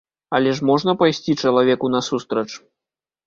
Але ж можна пайсці чалавеку насустрач?